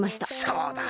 そうだ。